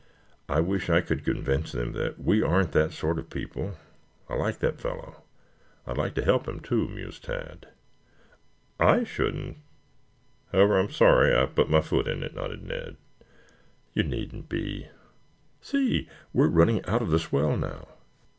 I wish I could convince them that we aren't that sort of people. I like that fellow. I'd like to help him, too," mused Tad. "I shouldn't. However, I'm sorry I put my foot in it," nodded Ned. "You needn't be. See! We are running out of the swell now."